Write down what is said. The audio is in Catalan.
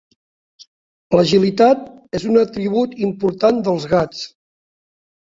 L'agilitat és un atribut important dels gats.